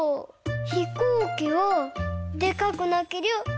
ひこうきはでかくなけりゃ